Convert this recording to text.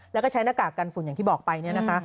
แล้วก็ใช้หน้ากากกันฝุ่นอย่างที่บอกไปเนี่ยนะคะ